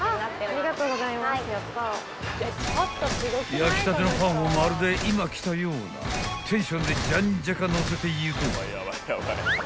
［焼きたてのパンをまるで今来たようなテンションでじゃんじゃかのせていく］